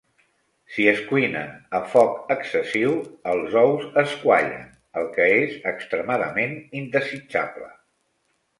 Si es cuinen a foc excessiu, els ous es quallen, el que és extremadament indesitjable.